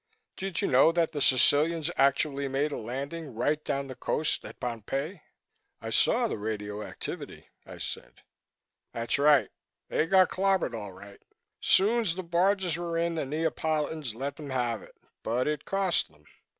Did you know that the Sicilians actually made a landing right down the coast at Pompeii?" "I saw the radioactivity," I said. "That's right. They got clobbered, all right. Soon's the barges were in, the Neapolitans let them have it. But it cost them.